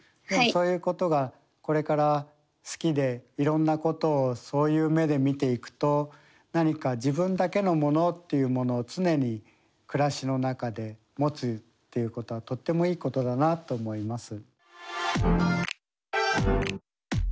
そういうことがこれから好きでいろんなことをそういう目で見ていくと何か自分だけのものというものを常に暮らしの中で持つっていうことはとってもいいことだなと思います。